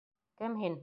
Кем һин?